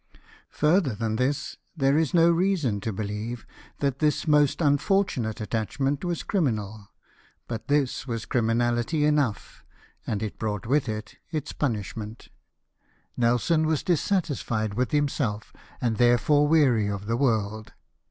Further than this, there is no reason to believe that this most unfortunate attachment was criminal, but this was criminality enough, and it brought with it its punishment. Nelson was dis satisfied with himself, and therefore weary of the world.